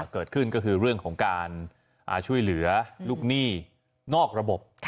เกิดขึ้นก็คือเรื่องของการช่วยเหลือลูกหนี้นอกระบบ